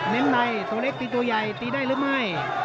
ในตัวเล็กตีตัวใหญ่ตีได้หรือไม่